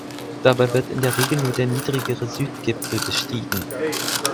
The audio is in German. Dabei wird in der Regel nur der niedrigere Südgipfel bestiegen.